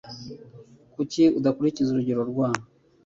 Kuki udakurikiza urugero rwa ?